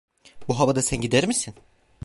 Bu havada sen gider misin?